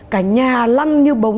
cả nhà lăn như bống